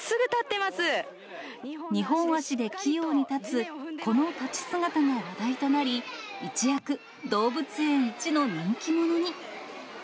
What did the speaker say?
２本足で器用に立つ、この立ち姿が話題となり、一躍、動物園一の人気者に。